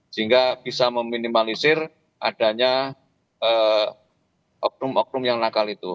sehingga bisa meminimalisir adanya oknum oknum yang nakal itu